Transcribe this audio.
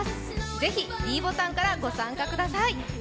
ぜひｄボタンからご参加ください。